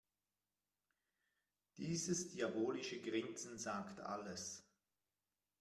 Dieses diabolische Grinsen sagt alles.